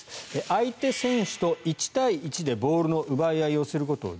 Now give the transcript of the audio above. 相手選手と１対１でボールの奪い合いをすることを